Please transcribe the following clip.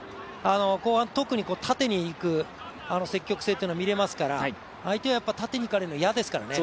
後半、特に縦に行く積極性というのは見れますから、相手は、やっぱり縦に行かれるの嫌ですからね。